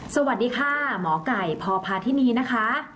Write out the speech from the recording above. สวัสดีค่ะหมอไก่พพาธินีนะคะ